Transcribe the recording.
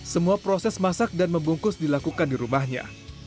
semua proses masak dan membungkus dilakukan di rumahnya